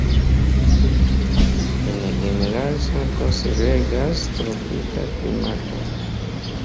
En General Santos regas tropika klimato.